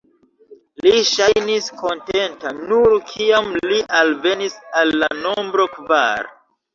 Li ŝajnis kontenta, nur kiam li alvenis al la nombro kvar.